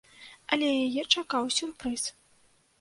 Але яе чакаў сюрпрыз.